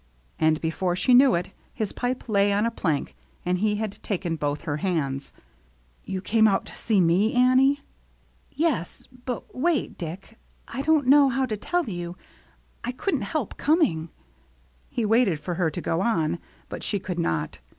And before she knew it, his pipe lay on a plank and he had taken both her hands. " You came out to see me, Annie ?"" Yes, but wait, Dick ; I don't know how to tell you — I couldn't help coming —" He waited for her to go on, but she could not.